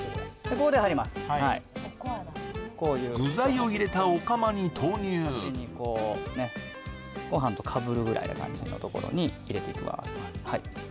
これ具材を入れたお釜に投入ご飯とかぶる位の感じのところに入れていきます